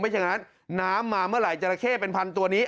อย่างนั้นน้ำมาเมื่อไหร่จราเข้เป็นพันตัวนี้